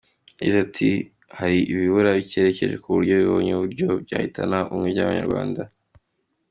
Yagize ati “ Hari ibirura birekereje ku buryo bibonye uburyo byahitana ubumwe bw’Abanyarwanda.